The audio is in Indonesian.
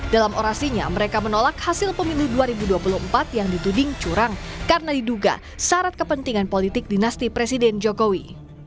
dalam orasinya mereka menolak hasil pemilu dua ribu dua puluh empat yang dituding curang karena diduga syarat kepentingan politik dinasti presiden jokowi